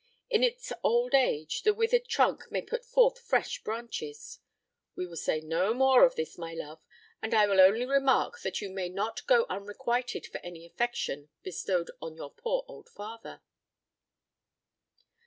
In its old age the withered trunk may put forth fresh branches. We will say no more of this, my love; and I will only remark that you may not go unrequited for any affection bestowed on your poor old father."